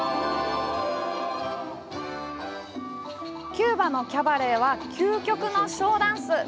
キューバのキャバレーは究極のショーダンス。